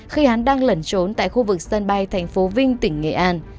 khi hắn đang lẩn trốn tại khu vực sân bay tp vinh tỉnh nghệ an